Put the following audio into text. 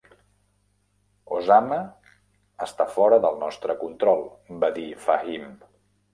"Osama està fora del nostre control", va dir Fahim.